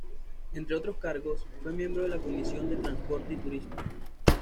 Entre otros cargos, fue miembro de la Comisión de Transportes y Turismo.